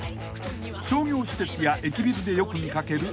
［商業施設や駅ビルでよく見掛ける